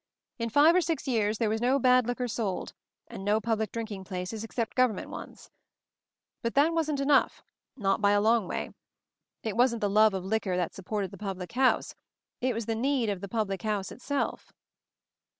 In five or six years there was no bad liquor sold, and no public drinking places except gov J ernment ones. But that wasn't enough — not by a long \ way. It wasn't the love of liquor that sup ' ported the public house — it was the need ; of the public house itself.